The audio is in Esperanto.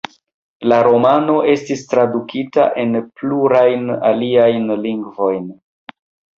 La romano estis tradukita en plurajn aliajn lingvojn.